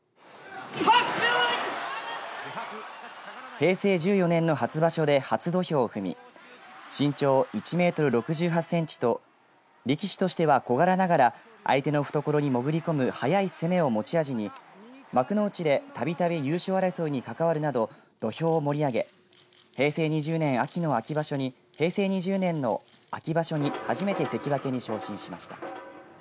平成１４年の初場所で初土俵を踏み身長１メートル６８センチと力士としては小柄ながら相手の懐に潜り込む速い攻めを持ち味に幕内でたびたび優勝争いに関わるなど土俵を盛り上げ平成２０年秋の秋場所に初めて関脇に昇進しました。